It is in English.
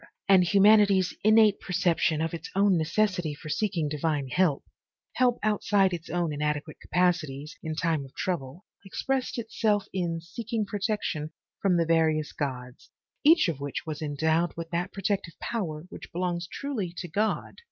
and humanity's innate perception of its own necessity for seeking divine help, help outside its own inadequate capacities, in time of trouble, expressed itself in seek ing protection from the various gods, each of which was endowed with that protective power which belongs truly to God.